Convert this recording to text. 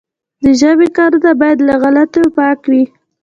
د ژبي کارونه باید له غلطیو پاکه وي.